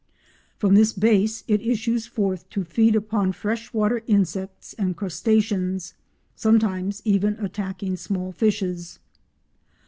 From this base it issues forth to feed upon fresh water insects and crustaceans, sometimes even attacking small fishes.